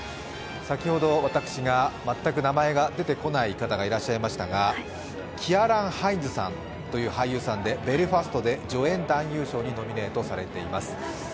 先ほど私が全く名前が出てこない方がいらっしゃいましたが、キアラン・ハイズさんという俳優さんで、「ベルファスト」で助演男優賞にノミネートされています。